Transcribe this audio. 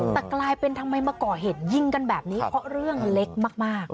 แต่กลายเป็นทำไมมาก่อเหตุยิงกันแบบนี้เพราะเรื่องเล็กมาก